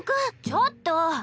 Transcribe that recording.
ちょっと！